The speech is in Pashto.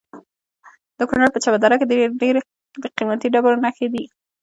د کونړ په چپه دره کې د قیمتي ډبرو نښې دي.